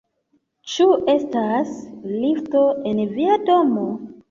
Ĉu estas lifto en via domo?